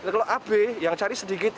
kalau ab yang cari sedikit